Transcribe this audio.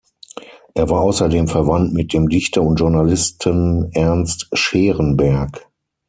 Er war außerdem verwandt mit dem Dichter und Journalisten Ernst Scherenberg.